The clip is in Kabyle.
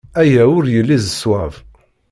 Aya ur yelli d ṣṣwab.